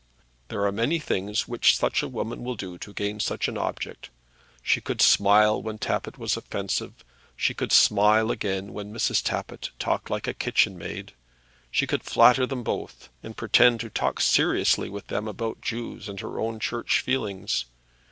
There are many things which such a woman will do to gain such an object. She could smile when Tappitt was offensive; she could smile again when Mrs. Tappitt talked like a kitchenmaid. She could flatter them both, and pretend to talk seriously with them about Jews and her own Church feelings.